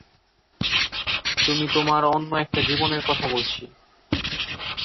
তুমি তোমার অন্য একটা জীবনের কথা বলছি।